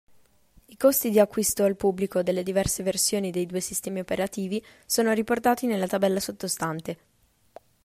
I costi di acquisto al pubblico delle diverse versioni dei due sistemi operativi sono riportati nella tabella sottostante.